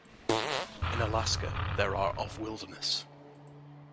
In Alaska, there are of wilderness.